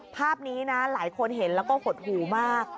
ภาพนี้นะหลายคนเห็นแล้วก็หดหูมาก